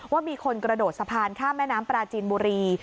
ว่ามีคนกระโดดสะพานข้ามแม่น้ำปลาจีนบุรี